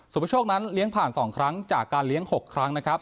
ประโชคนั้นเลี้ยงผ่าน๒ครั้งจากการเลี้ยง๖ครั้งนะครับ